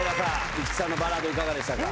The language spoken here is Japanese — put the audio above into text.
市來さんのバラードいかがでしたか？